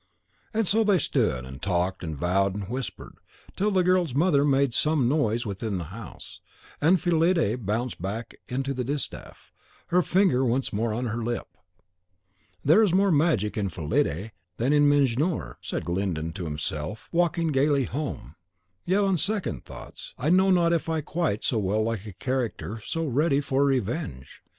And so they stood, and talked, and vowed, and whispered, till the girl's mother made some noise within the house, and Fillide bounded back to the distaff, her finger once more on her lip. "There is more magic in Fillide than in Mejnour," said Glyndon to himself, walking gayly home; "yet on second thoughts, I know not if I quite so well like a character so ready for revenge.